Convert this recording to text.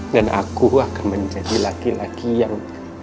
dan aku akan menjadi laki laki yang